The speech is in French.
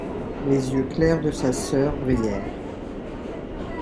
Les yeux clairs de sa sœur brillèrent.